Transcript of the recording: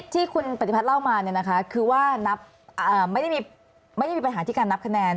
ที่คุณปฏิพัฒน์เล่ามาคือว่านับไม่ได้มีปัญหาที่การนับคะแนน